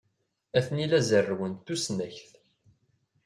Atni la zerrwen tusnakt.